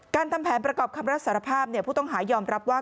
ทำแผนประกอบคำรับสารภาพผู้ต้องหายอมรับว่า